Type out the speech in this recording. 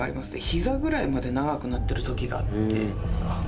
膝ぐらいまで長くなってるときがあって。